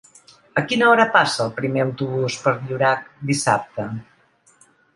A quina hora passa el primer autobús per Llorac dissabte?